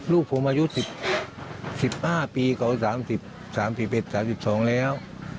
ลูกผมอายุสิบห้าปีเขาสามสิบสามสิบเอ็ดสามสิบสองแล้ว